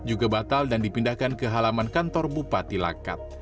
juga batal dan dipindahkan ke halaman kantor bupati langkat